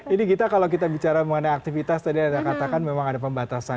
ini kita kalau kita bicara mengenai aktivitas tadi ada yang katakan memang ada pembatasan